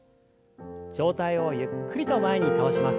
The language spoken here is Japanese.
上体をゆっくりと前に倒します。